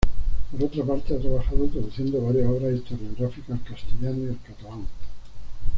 Por otra parte, ha trabajado traduciendo varias obras historiográficas al castellano y al catalán.